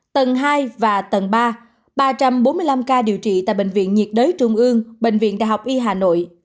tầng hai và tầng ba ba trăm bốn mươi năm ca điều trị tại bệnh viện nhiệt đới trung ương bệnh viện đại học y hà nội